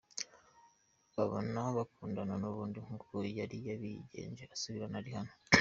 bahoze bakundana nubundi nkuko yari yabigenje asubirana na Rihanna.